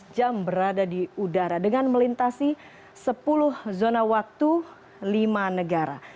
dua belas jam berada di udara dengan melintasi sepuluh zona waktu lima negara